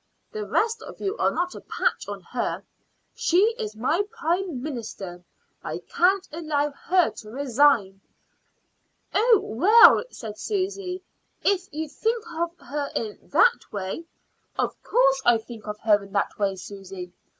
The rest of you are not a patch on her. She is my Prime Minister. I can't allow her to resign." "Oh, well," said Susy, "if you think of her in that way " "Of course I think of her in that way, Susy.